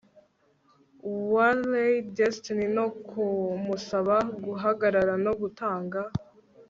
Waylay Destiny no kumusaba guhagarara no gutanga